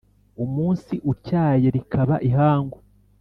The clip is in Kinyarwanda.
Umunsi utyaye rikaba ihangu